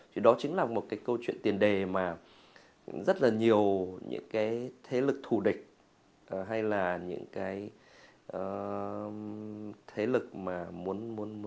thì đó chính là một cái câu chuyện tiền đề mà rất là nhiều những cái thế lực thù địch hay là những cái thế lực mà muốn